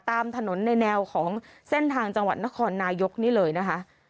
ตามถนนในแนวของเส้นทางจังหวัดนครนายกนี่เลยนะคะ